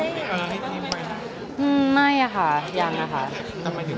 อแอน่าก็อยากอยู่เงี๊ยมฟิวครึ่งเดียว